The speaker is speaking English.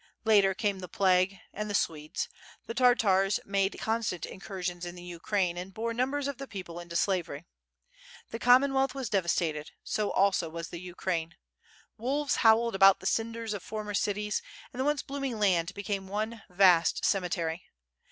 Later came the plague, and the Swedes; the Tartars made constant incursions in the Ukraine, and bore numbers of the people into slavery. The Commonwealth was devastated, so also was the Ukraine. Wolves howled about the cinders of former cities, and the once bloooning land became one vast cemetery.